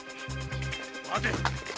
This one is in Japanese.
待て！